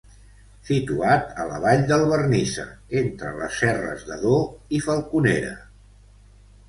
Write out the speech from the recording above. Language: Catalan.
Situat a la vall del Vernissa, entre les serres d'Ador i Falconera.